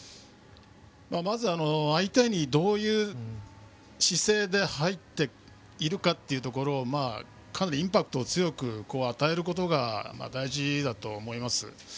まずは相手にどういう姿勢で入っているかというところかなりインパクトを強く与えることが大事だと思います。